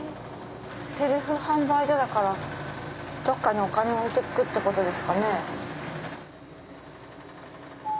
セルフ販売所だからどっかにお金置いてくってことですかね？